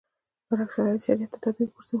برعکس شرایط شریعت تابع وګرځوو.